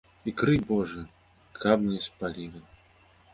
І крый божа, каб не спаліла!